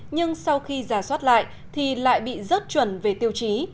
nhưng sau khi giả soát lại thì lại bị rớt chuẩn về tiêu chí